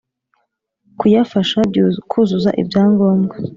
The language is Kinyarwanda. kuyafasha kuzuza ibyangombwa